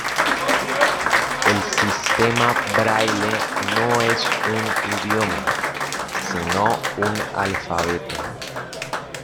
El sistema braille no es un idioma, sino un alfabeto.